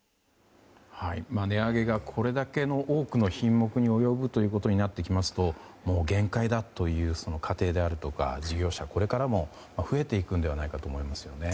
値上げがこれだけ多くの品目に及ぶことになってきますともう限界だという家庭であるとか事業者がこれからも増えていくんではないかと思いますよね。